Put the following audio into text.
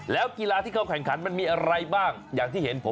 แล้วกีฬาที่เขาแข่งขันมันมีอะไรบ้าง